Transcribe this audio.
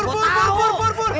pur pur pur